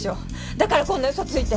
だからそんな嘘ついて。